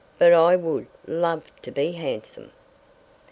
But I would love to be handsome!"